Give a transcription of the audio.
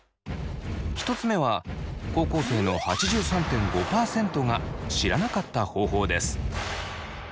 １つ目は高校生の８３．５％が知らなかった方法です。